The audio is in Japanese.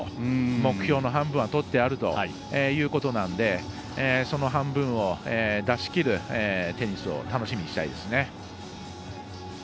目標の半分は取ってあるということなのでその半分を出しきるテニスを楽しみにしたいですね。